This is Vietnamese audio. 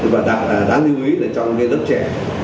và đáng lưu ý là trong cái lớp trẻ